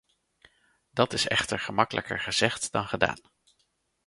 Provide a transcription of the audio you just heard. Dat is echter gemakkelijker gezegd dan gedaan.